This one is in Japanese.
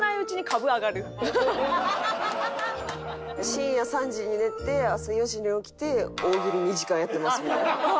深夜３時に寝て朝４時に起きて大喜利２時間やってますみたいな。